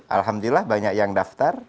alhamdulillah banyak yang daftar